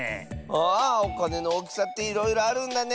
あおかねのおおきさっていろいろあるんだね！